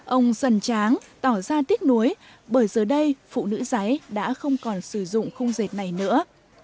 ông dần tráng tỏ ra tiếc nuối bởi giờ đây phụ nữ giấy đã không còn sử dụng khung dệt này nữa